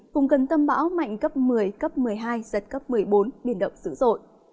vùng gần tâm bão mạnh cấp một mươi cấp một mươi hai giật cấp một mươi bốn biển động dữ dội